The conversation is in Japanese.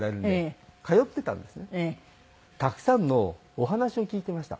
たくさんのお話を聞いてました。